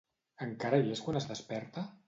Encara hi és quan es desperta?